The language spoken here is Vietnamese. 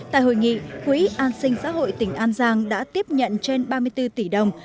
tại hội nghị quỹ an sinh xã hội tỉnh an giang đã tiếp nhận trên ba mươi bốn tỷ đồng